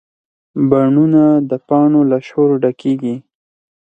بڼونه د پاڼو له شور ډکېږي